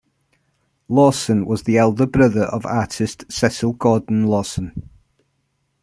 Lawson was the elder brother of artist Cecil Gordon Lawson.